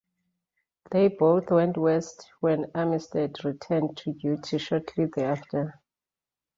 They both went west when Armistead returned to duty shortly thereafter.